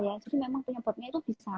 ya jadi memang penyebabnya itu bisa